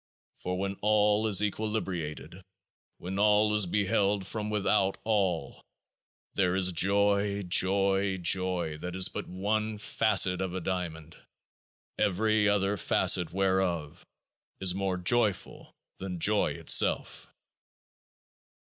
10 For when all is equilibrated, when all is beheld from without all, there is joy, joy, joy that is but one facet of a diamond, every other facet whereof is more joyful than joy itself.